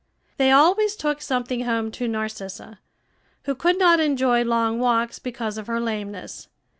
They always took something home to Narcissa, who could not enjoy long walks because of her lameness.